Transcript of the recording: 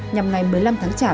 nhằm ngày một mươi năm tháng một